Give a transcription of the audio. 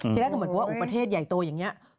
แถมใดเหมือนกับอุปเทศใหญ่โตอย่างนี้